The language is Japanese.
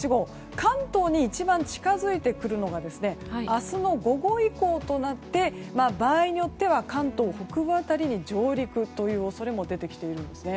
関東に一番近づいてくるのが明日の午後以降となって場合によっては関東北部辺りに上陸という恐れも出てきているんです。